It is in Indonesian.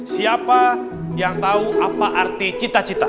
siapa yang tahu apa arti cita cita